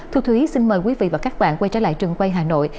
thu thúy xin mời quý vị và các bạn quay trở lại trường quay hà nội